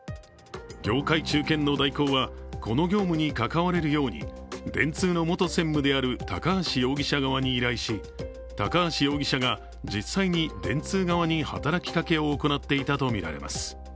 業界中堅の大広はこの業務に関われるように電通の元専務である高橋容疑者側に依頼し高橋容疑者が実際に電通側に働きかけを行っていたとみられます。